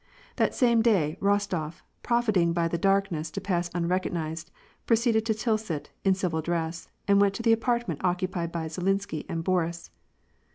That same day, Eostof, profiting by the darkness to pass un recognized, proceeded to Tilsit, in civil dress, and went to the apartment occupied by Zhilinsky and Boris.